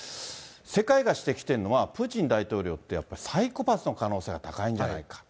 世界が指摘しているのは、プーチン大統領ってやっぱりサイコパスの可能性が高いんじゃないか。